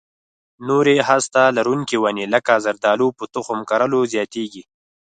نورې هسته لرونکې ونې لکه زردالو په تخم کرلو زیاتېږي.